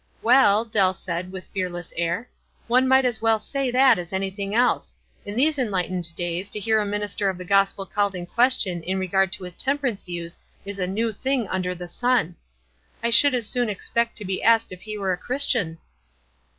"Well," Dell said, with fearless air, "one might as well say that as anything else. In these enlightened days to hear a minister of the gospel called in question in regard to his tem perance views is a new thing under the sun. I should as soon expect to be asked if he were a Christian."